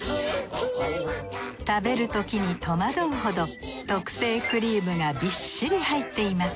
食べるときに戸惑うほど特製クリームがびっしり入っています